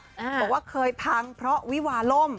บอกว่าเคยพังเพราะวิวาล่ม